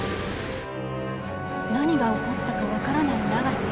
何が起こったか分からない永瀬。